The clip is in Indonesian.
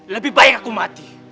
lebih baik aku mati